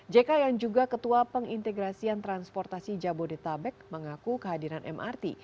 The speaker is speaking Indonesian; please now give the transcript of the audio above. jk yang juga ketua pengintegrasian transportasi jabodetabek mengaku kehadiran mrt